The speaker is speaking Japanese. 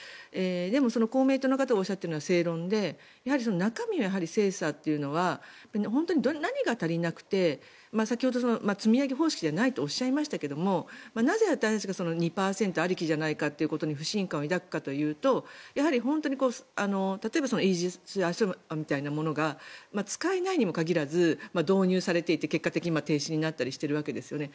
でも、公明党の方がおっしゃっているのは正論でやはり中身を精査というのは本当に何が足りなくて先ほど、積み上げ方式じゃないとおっしゃいましたけどなぜ、私たちが２％ありきじゃないかということに不信感を抱くかというと例えばイージス・アショアみたいなものが使えないにもかかわらず導入されていて停止になっているわけですよね。